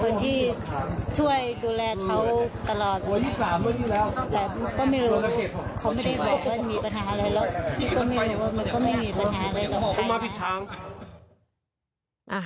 พี่ก็ไม่รู้ว่ามันก็ไม่มีปัญหาอะไรกับใครนะ